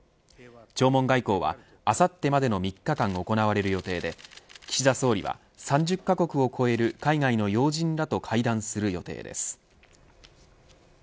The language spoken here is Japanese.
弔問外交は、あさってまでの３日間行われる予定で岸田総理は３０カ国を超える海外の要人らと会談する予定です。